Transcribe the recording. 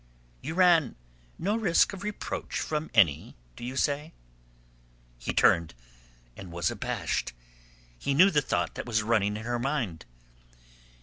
"You ran no risk of reproach from any, do you say?" He turned, and was abashed. He knew the thought that was running in her mind.